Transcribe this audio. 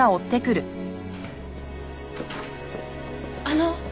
あの。